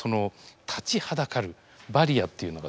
立ちはだかるバリアっていうのがですね